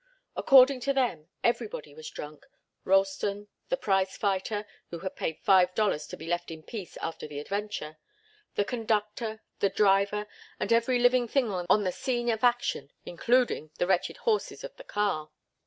According to them, everybody was drunk Ralston, the prize fighter, who had paid five dollars to be left in peace after the adventure, the conductor, the driver and every living thing on the scene of action, including the wretched horses of the car.